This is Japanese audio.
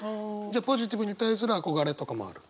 ポジティブに対する憧れとかもある？